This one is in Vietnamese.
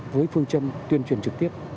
với phương châm tuyên truyền trực tiếp